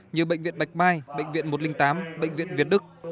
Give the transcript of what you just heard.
như bệnh viện bạch mai bệnh viện một trăm linh tám bệnh viện việt đức